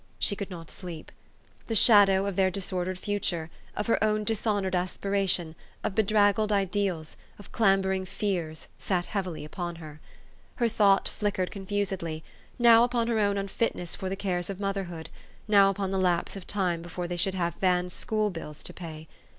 She could not sleep. The shadow of their disordered future, of her own dishonored aspiration, of bedraggled ideals, of clambering fears, sat heavily upon her. Her thought flickered con fusedly, now upon her own unfitness for the cares of motherhood, now upon the lapse of time before they should have Van's school bills to pay.